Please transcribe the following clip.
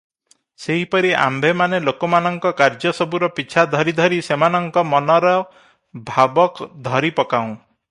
ସେହିପରି ଆମ୍ଭମାନେ ଲୋକମାନଙ୍କ କାର୍ଯ୍ୟସବୁର ପିଛା ଧରି ଧରି ସେମାନଙ୍କ ମନର ଭାବ ଧରିପକାଉଁ ।